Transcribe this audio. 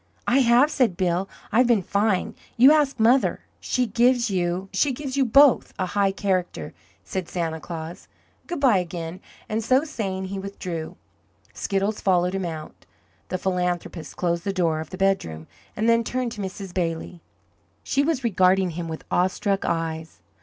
"I have," said Bill. "I've been fine. You ask mother." "She gives you she gives you both a high character," said Santa Claus. "Good bye again," and so saying he withdrew. Skiddles followed him out. The philanthropist closed the door of the bedroom, and then turned to Mrs. Bailey. She was regarding him with awestruck eyes.